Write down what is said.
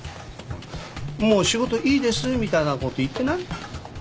もう仕事いいですみたいなこと言ってない？